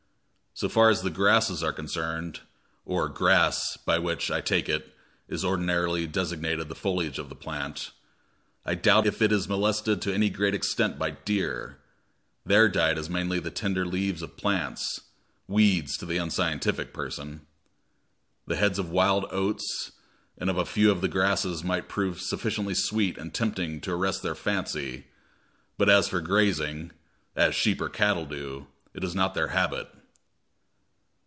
So far as the grasses are concerned or "grass," by which, I take it, is ordinarily designated the foliage of the plant I doubt if it is molested to any great extent by deer. Their diet is mainly the tender leaves of plants "weeds" to the unscientific person. The heads of wild oats and of a few of the grasses might prove sufficiently sweet and tempting to arrest their fancy; but as for grazing, as sheep or cattle do, it is not their habit.